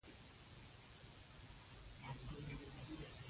ستا یو لیک یې زین بېګم ته هم راوړی وو.